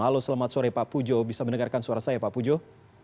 halo selamat sore pak pujo bisa mendengarkan suara saya pak pujo